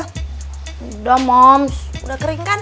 sudah moms udah kering kan